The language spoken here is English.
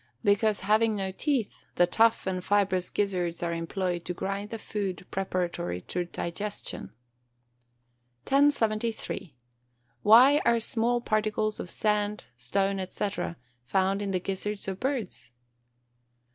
_ Because, having no teeth, the tough and fibrous gizzards are employed to grind the food preparatory to digestion. 1073. _Why are small particles of sand, stone, &c., found in the gizzards of birds?